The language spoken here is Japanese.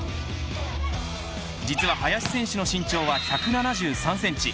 実は林選手の身長は１７３センチ。